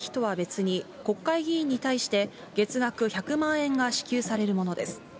文書通信交通滞在費は、歳費とは別に、国会議員に対して月額１００万円が支給されるものです。